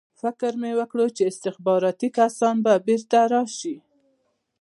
فکر مې وکړ چې استخباراتي کسان به بېرته راشي